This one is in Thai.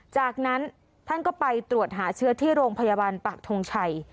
จากนั้นท่านก็ไปตรวจหาเชื้อที่โรงพยาบาลปากทงชัย